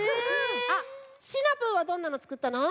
あっシナプーはどんなのつくったの？